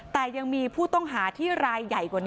แต่ยังมีผู้ต้องหาที่ตรวจยึดตามการจับกลุ่มแล้วนะคะ